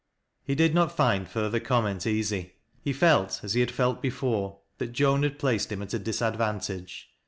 He did not find further comment easy. He felt, as he had felt before, that Joan had placed him at a disad vantage.